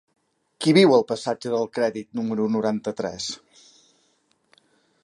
Qui viu al passatge del Crèdit número noranta-tres?